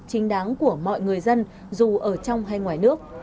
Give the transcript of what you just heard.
chính đáng của mọi người dân dù ở trong hay ngoài nước